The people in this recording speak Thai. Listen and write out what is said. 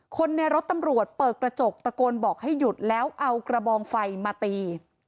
คนในรถตำรวจเปิดกระจกตะโกนบอกให้หยุดแล้วเอากระบองไฟมาตี